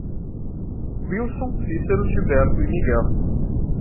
Wilson, Cícero, Gilberto e Miguel